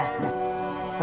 masih nangis aja